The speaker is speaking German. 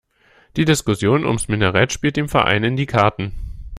Die Diskussion ums Minarett spielt dem Verein in die Karten.